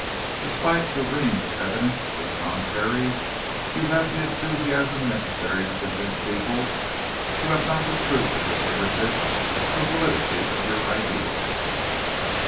Despite the reams of evidence to the contrary, you have the enthusiasm necessary to convince people who have not the truth at their fingertips of the validity of your ideas."